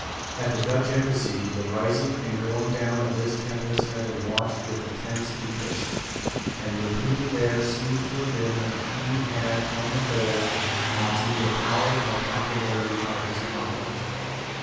At the Dutch Embassy the rising and going down of this tempest had been watched with intense interest; and the opinion there seems to have been that the King had on the whole lost neither power nor popularity by his conduct.